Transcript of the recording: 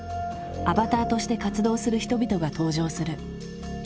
アバターとして活動する人々が登場する。